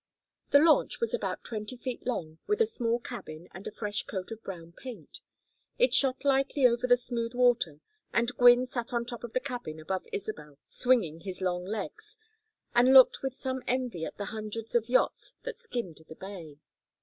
The launch was about twenty feet long with a small cabin and a fresh coat of brown paint. It shot lightly over the smooth water, and Gwynne sat on top of the cabin above Isabel swinging his long legs, and looked with some envy at the hundreds of yachts that skimmed the bay.